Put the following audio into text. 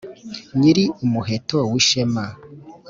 Nyiri umuheto w’ishema,